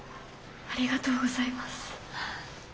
ありがとうございます。